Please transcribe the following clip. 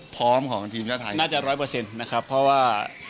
พร้อมของทีมชาติไทยน่าจะร้อยเปอร์เซ็นต์นะครับเพราะว่า